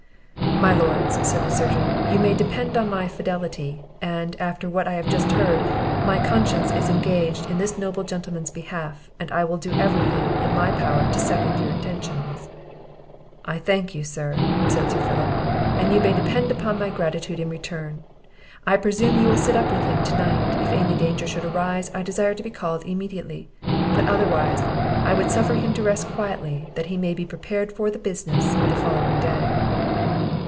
"My lords," said the surgeon, "you may depend on my fidelity; and, after what I have just heard, my conscience is engaged in this noble gentleman's behalf, and I will do every thing in my power to second your intentions." "I thank you, sir," said Sir Philip, "and you may depend on my gratitude in return. I presume you will sit up with him to night; if any danger should arise, I desire to be called immediately; but, otherwise, I would suffer him to rest quietly, that he may be prepared for the business of the following day."